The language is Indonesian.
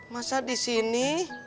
masa di sini